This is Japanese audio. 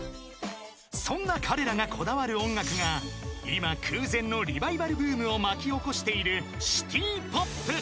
［そんな彼らがこだわる音楽が今空前のリバイバルブームを巻き起こしている］